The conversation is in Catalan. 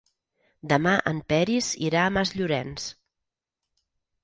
Demà en Peris irà a Masllorenç.